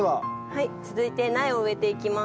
はい続いて苗を植えていきます。